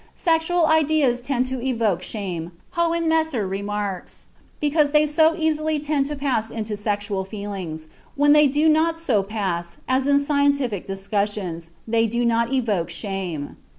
Sexual ideas tend to evoke shame, Hohenemser remarks, because they so easily tend to pass into sexual feelings; when they do not so pass (as in scientific discussions) they do not evoke shame.